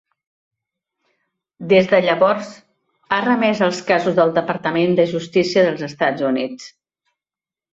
Des de llavors, ha remès els casos al Departament de Justícia dels Estats Units.